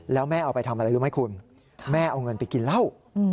แล้วแม่เอาไปทำอะไรรู้ไหมคุณแม่เอาเงินไปกินเหล้า